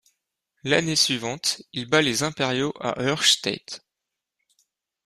L'année suivante, il bat les Impériaux à Höchstädt.